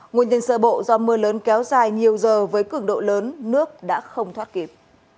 nguyên nhân sơ bộ do mưa lớn kéo dài nhiều giờ với cường độ lớn nước đã không thoát kịp